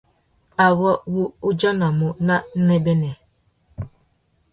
Awô wu udjanamú nà nêbênê.